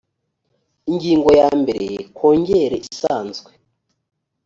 ingingo ya mbere kongere isanzwe